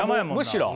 むしろ？